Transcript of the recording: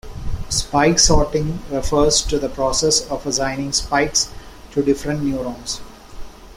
Spike sorting refers to the process of assigning spikes to different neurons.